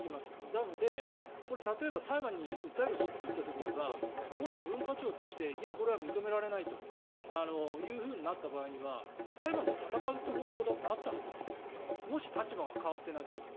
なので、例えば裁判に訴えるぞといった時にはもし文化庁としていや、これは認められないとなった場合には裁判で戦う方法だってあったはずなんですよねもし立場が変わっていなければ。